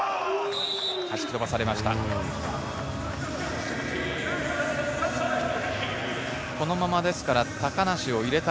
弾き飛ばされました。